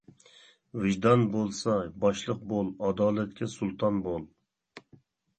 ۋىجدان بولسا باشلىق بول، ئادالەتكە سۇلتان بول.